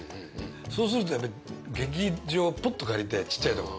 そうすると劇場ポッと借りてちっちゃいとこ。